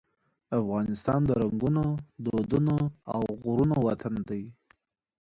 افغانستان د رنګونو، دودونو او غرور وطن دی.